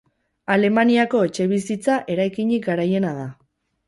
Alemaniako etxebizitza eraikinik garaiena da.